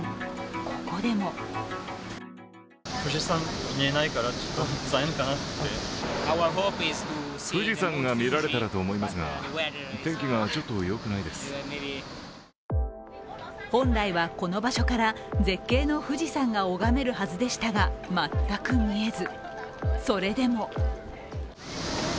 ここでも本来は、この場所から絶景の富士山が拝めるはずでしたが全く見えず。